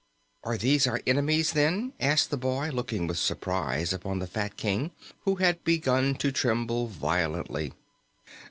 "Are these our enemies, then?" asked the boy, looking with surprise upon the fat little King, who had begun to tremble violently.